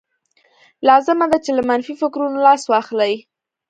لازمه ده چې له منفي فکرونو لاس واخلئ